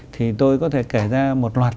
thì tôi có thể kể ra một loạt